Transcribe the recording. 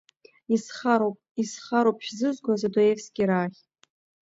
Исхароуп, исхароуп шәзызгоз одоевскираахь.